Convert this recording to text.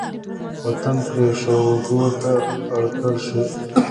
وطـن پـرېښـودو تـه اړ کـړل شـي.